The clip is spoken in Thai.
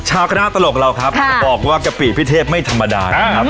คณะตลกเราครับบอกว่ากะปิพี่เทพไม่ธรรมดานะครับ